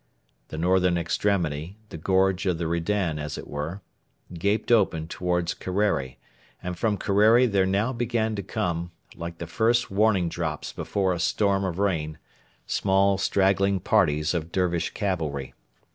The northern extremity the gorge of the redan, as it were gaped open towards Kerreri; and from Kerreri there now began to come, like the first warning drops before a storm of rain, small straggling parties of Dervish cavalry.